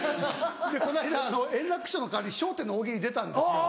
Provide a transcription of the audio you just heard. この間円楽師匠の代わりに『笑点』の大喜利出たんですよ。